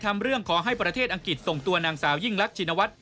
ทำเรื่องขอให้ประเทศอังกฤษส่งตัวนางสาวยิ่งรักชินวัฒน์